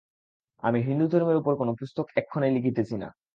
আমি হিন্দুধর্মের উপর কোন পুস্তক এক্ষণে লিখিতেছি না।